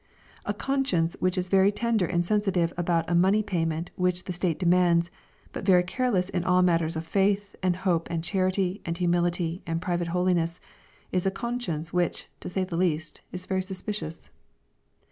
A conscience which is very tender and sensitive about a money payment which the state demands, but very careless in all mattera of faith, and hope, and charity, and humility, and private holiness, is a conscience which, to say the least, is very suspicious.